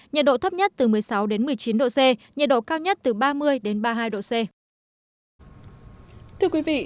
nhiệt độ thấp nhất từ một mươi sáu đến một mươi chín độ c nhiệt độ cao nhất từ ba mươi đến ba mươi hai độ c